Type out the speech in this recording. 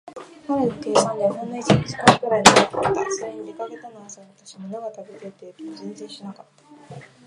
彼の計算ではほんの一、二時間ぐらいのはずだった。それに、出かけたのは朝だったし、ものが食べたいという気も全然しなかった。